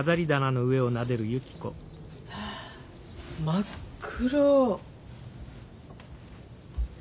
真っ黒。